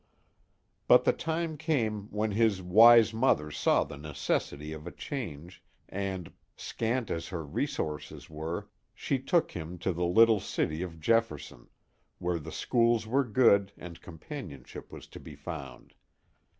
But the time came when his wise mother saw the necessity of a change, and, scant as her resources were, she took him to the little city of Jefferson, where the schools were good and companionship was to be found.